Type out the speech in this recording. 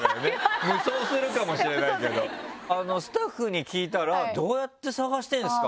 無双するかもしれないけどスタッフに聞いたら「どうやって探してるんですか？